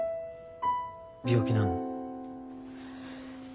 病気なの？